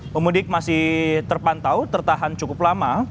pemudik masih terpantau tertahan cukup lama